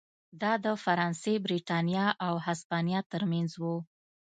دا د فرانسې، برېټانیا او هسپانیا ترمنځ و.